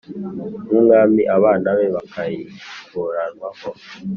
nk’umwami abana be bakayikuranwaho